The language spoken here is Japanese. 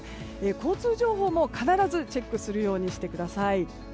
交通情報も必ずチェックをするようにしてください。